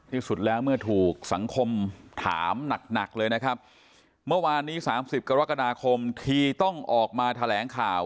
ที่สุดแล้วเมื่อถูกสังคมถามหนักเลยนะครับเมื่อวานนี้๓๐กรกฎาคมทีต้องออกมาแถลงข่าว